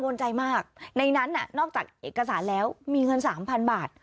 ในนั้นนอกจากเอกสารแล้วมีเงิน๓๐๐๐บาท